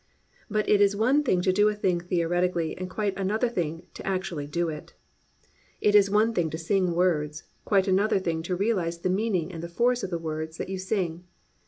But it is one thing to do a thing theoretically and quite another thing to actually do it. It is one thing to sing words, quite another thing to realise the meaning and the force of the words that you sing.